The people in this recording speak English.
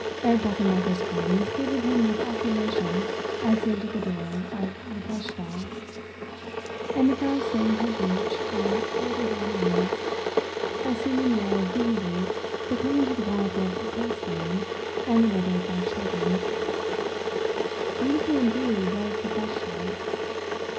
Herr Brechenmacher's colleagues greeted him with acclamation as he entered the door of the Festsaal, and the Frau straightened her brooch and folded her hands, assuming the air of dignity becoming to the wife of a postman and the mother of five children. Beautiful indeed was the Festsaal.